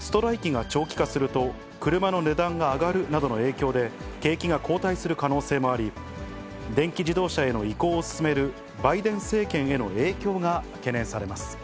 ストライキが長期化すると、車の値段が上がるなどの影響で、景気が後退する可能性もあり、電気自動車への移行を進めるバイデン政権への影響が懸念されます。